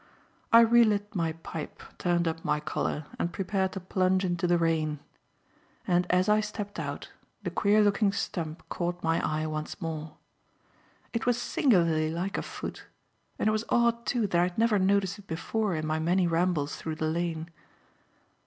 I re lit my pipe, turned up my collar, and prepared to plunge into the rain. And as I stepped out, the queer looking stump caught my eye once more. It was singularly like a foot; and it was odd, too, that I had never noticed it before in my many rambles through the lane.